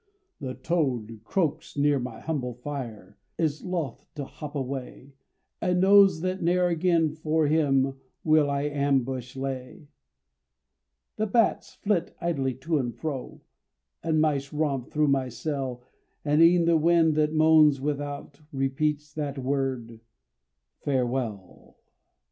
The toad croaks near my humble fire, Is loth to hop away, And knows that ne'er again for him Will I in ambush lay; The bats flit idly to and fro, The mice romp through my cell, And e'en the wind that moans without Repeats that word farewell.